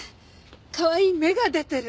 かわいい芽が出てる。